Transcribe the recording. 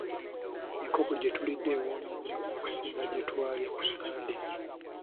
Enkoko gye tulidde ewoomye nnyo okusinga gye twalya ku ssande.